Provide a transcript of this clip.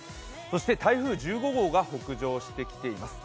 台風１５号が北上してきています。